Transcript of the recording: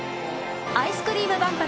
アイスクリーム万博